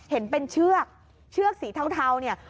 เห็นเป็นเชือกเชือกสีเทาเนี่ย